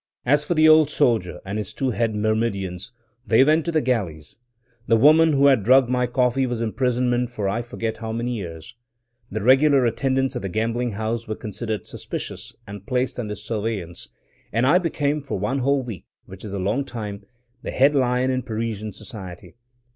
As for the Old Soldier and his two head myrmidons, they went to the galleys; the woman who had drugged my coffee was imprisoned for I forget how many years; the regular attendants at the gambling house were considered "suspicious" and placed under "surveillance"; and I became, for one whole week (which is a long time) the head "lion" in Parisian society.